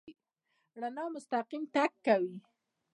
رڼا مستقیم تګ کوي.